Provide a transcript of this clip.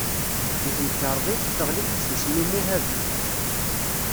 Deg temkerḍit, teɣli-d tsusmi muhabet.